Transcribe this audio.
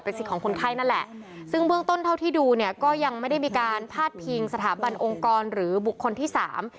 สิทธิ์ของคนไข้นั่นแหละซึ่งเบื้องต้นเท่าที่ดูเนี่ยก็ยังไม่ได้มีการพาดพิงสถาบันองค์กรหรือบุคคลที่สาม